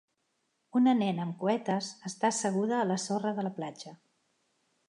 Una nena amb cuetes està asseguda a la sorra de la platja.